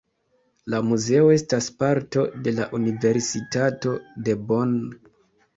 La muzeo estas parto de la Universitato de Bonn.